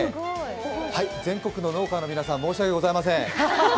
全国の農家の皆さん、申し訳ございません。